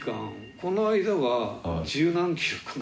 このあいだは十何キロかな。